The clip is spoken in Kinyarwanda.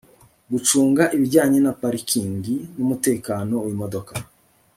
gucunga ibijyanye na parikingi n'umutekano w'imodoka